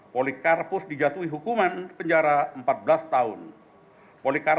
polikarpus dijatuhi hukuman penjajah dan penyelidikan perkara munir